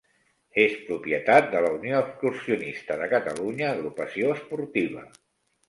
És propietat de la Unió Excursionista de Catalunya Agrupació Esportiva.